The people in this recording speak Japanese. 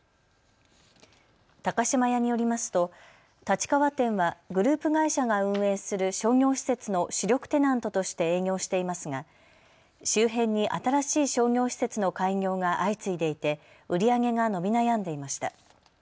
高島屋によりますと立川店はグループ会社が運営する商業施設の主力テナントとして営業していますが周辺に新しい商業施設の開業が相次いでいて売り上げが伸び悩んでいました。